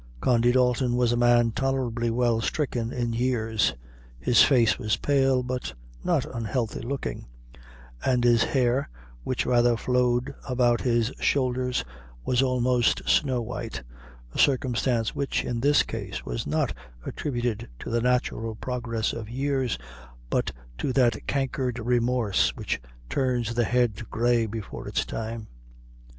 Condy Dalton was a man tolerably well stricken in years; his face was pale, but not unhealthy looking; and his hair, which rather flowed about his shoulders, was almost snow white a circumstance which, in this case, was not attributed to the natural progress of years, but to that cankered remorse which turns the head grey before its time.